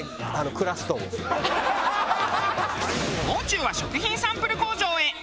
もう中は食品サンプル工場へ。